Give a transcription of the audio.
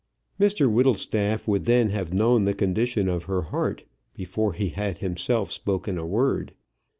Mr Whittlestaff would then have known the condition of her heart, before he had himself spoken a word.